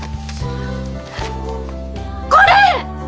これ！